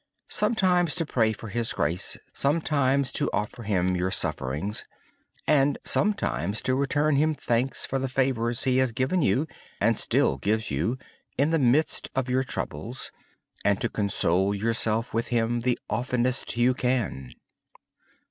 Sometimes to pray for His grace. Sometimes to offer Him your sufferings. And sometimes to return Him thanks for the favors He has given you, and still gives you, in the midst of your troubles. Console yourself with Him the oftenest you can.